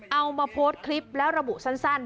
เอามาโพสต์คลิปแล้วระบุสั้น